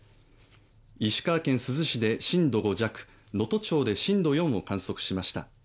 石川県珠洲市で震度５弱、能登町で震度４を観測しました。